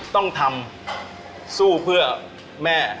ต้องทำสู้เพื่อแม่